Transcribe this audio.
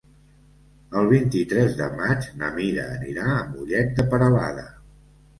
El vint-i-tres de maig na Mira anirà a Mollet de Peralada.